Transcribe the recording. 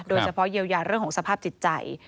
โดยเฉพาะเยียวยาเรื่องของสภาพจิตใจ